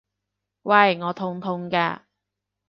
喂！我痛痛㗎！